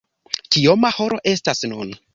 Kioma horo estas nun?